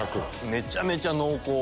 めちゃめちゃ濃厚。